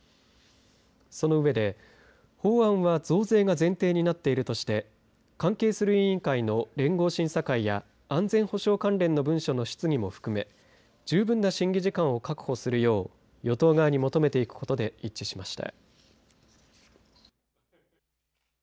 その上で法案は増税が前提になっているとして関係する委員会の連合審査会や安全保障関連の文書の質疑も含め十分の審議時間を確保するよう与党側に求めていくことで一致しました。